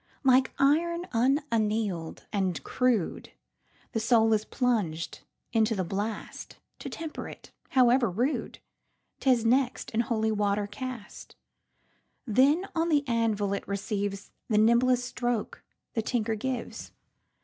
Like iron unanneal'd and crude, The soul is plunged into the blast; To temper it, however rude,'T is next in holy water cast; Then on the anvil it receivesThe nimblest stroke the tinker gives.